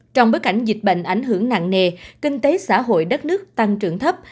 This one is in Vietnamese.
trong bối cảnh dịch bệnh ảnh hưởng nặng nề kinh tế xã hội đất nước tăng trưởng thấp